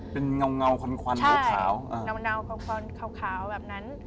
เป็นเงาควันเขาขาวอ่ะใช่เงาควันเขาขาวแบบนั้น